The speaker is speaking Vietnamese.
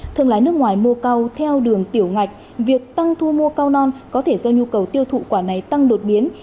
thương lái nước ngoài mua cao theo đường tiểu ngạch việc tăng thu mua cao non có thể do nhu cầu tiêu thụ quả này tăng đột biến